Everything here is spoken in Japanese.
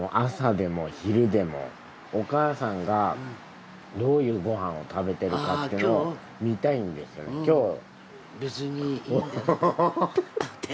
朝でも昼でもお母さんがどういうご飯を食べてるかっていうのを見たいんですよ今日。